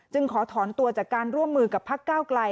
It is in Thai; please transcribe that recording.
ขอถอนตัวจากการร่วมมือกับพักก้าวไกล